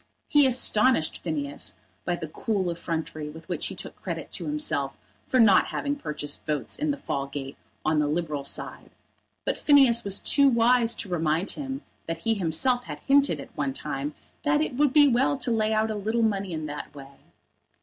He astonished Phineas by the cool effrontery with which he took credit to himself for not having purchased votes in the Fallgate on the Liberal side, but Phineas was too wise to remind him that he himself had hinted at one time that it would be well to lay out a little money in that way.